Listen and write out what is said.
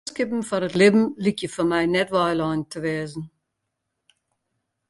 Freonskippen foar it libben lykje foar my net weilein te wêze.